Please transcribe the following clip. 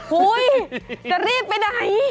อุ๊ยจะรีบไปไหน